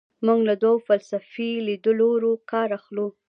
موږ له دوو فلسفي لیدلورو کار اخلو.